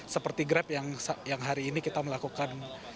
seperti grab yang hari ini kita melakukan